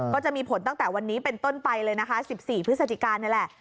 ก็จะมีผลตั้งแต่วันนี้เป็นต้นไปเลยนะคะ๑๔พฤศจิกานี่แหละ